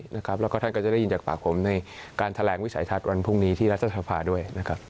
แล้วก็ท่านก็จะได้ยินจากปากผมในการแถลงวิสัยทัศน์วันพรุ่งนี้ที่รัฐสภาด้วยนะครับ